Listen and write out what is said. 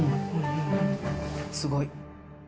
すごい。